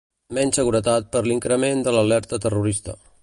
Menys seguretat per l'increment de l'alerta terrorista.